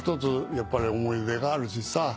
やっぱり思い出があるしさ